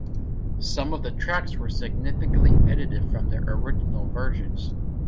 Some of the tracks were significantly edited from their original versions.